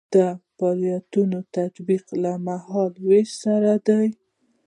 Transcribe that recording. دا د فعالیتونو تطبیق له مهال ویش سره ده.